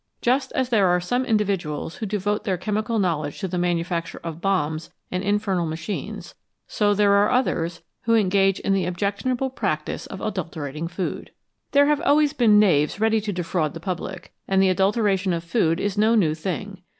Just as there are some individuals who devote their chemical knowledge to the manufacture of bombs and infernal machines, so there are others who engage in the objectionable practice of adulterating food. There have always been knaves ready to defraud the public, and the adulteration of food is no new thing.